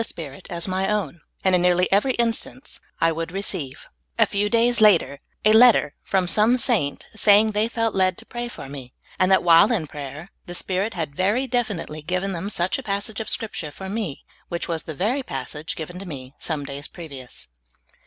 Spirit as my own, and in nearly every such instance I would receive, a few days after, a letter from some saint saying they felt led to pray for me, and that w^hile in prayer the Spirit had very definitely given them such a passage of Scripture for me, which was the very passage given to me some days previous.